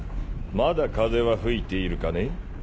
まだ風は吹いているかね？